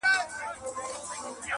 قاضي وکړه فيصله چي دى په دار سي!!